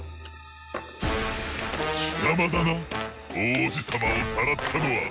きさまだな王子様をさらったのは。